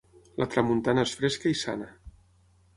La tramuntana és fresca i sana.